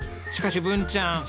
しかし文ちゃん